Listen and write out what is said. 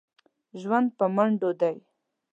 ژوند په منډو دی.